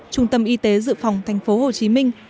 trung tâm y tế dự phòng tp hcm